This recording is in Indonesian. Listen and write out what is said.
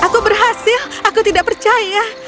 aku berhasil aku tidak percaya